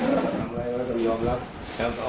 ถ้าทำอะไรแล้วก็ต้องยอมรับ